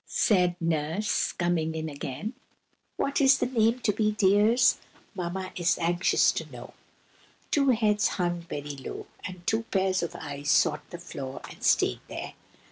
said Nurse, coming in again, "what is the name to be, dears? Mamma is anxious to know." Two heads hung very low, and two pairs of eyes sought the floor and stayed there.